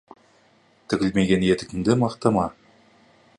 Тігілмеген етігіңді мақтама.